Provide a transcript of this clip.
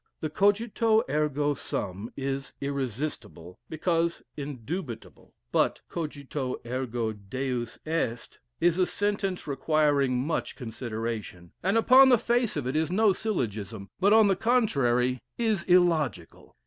The Cogito ergo Sum is irresistible, because indubitable; but Cogito ergo Deus est is a sentence requiring much consideration, and upon the face of it is no syllogism, but, on the contrary, is illogical.